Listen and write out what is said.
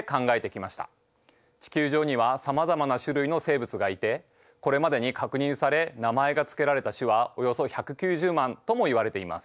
地球上にはさまざまな種類の生物がいてこれまでに確認され名前がつけられた種はおよそ１９０万ともいわれています。